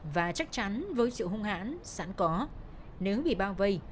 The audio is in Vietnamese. và chắc chắn với sự hung hãn sẵn có nếu bị bao vây